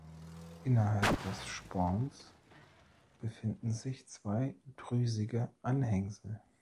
Innerhalb des Sporns befinden sich zwei drüsige Anhängsel.